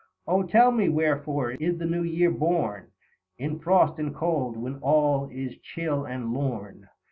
" O tell me wherefore is the new year born In frost and cold, when all is chill and lorn